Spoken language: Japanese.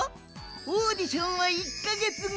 オーディションは１か月後。